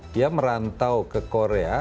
dia merantau ke korea